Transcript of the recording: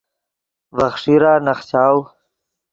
ڤے خیݰیرا نخچاؤ